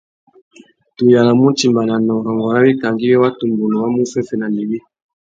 Tu yānamú utimbāna nà urrôngô râ wikangá iwí watu mbunu wá mú féffena nà iwí.